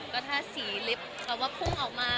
ก็ถ้าสีลิฟต์แบบว่าพุ่งออกมา